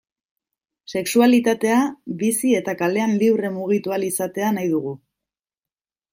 Sexualitatea bizi eta kalean libre mugitu ahal izatea nahi dugu.